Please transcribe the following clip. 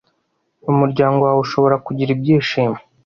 Umuryango wawe ushobora kugira ibyishimo